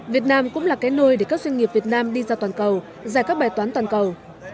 việt nam cũng là cái nôi để các doanh nghiệp việt nam đi ra toàn cầu giải các bài toán toàn cầu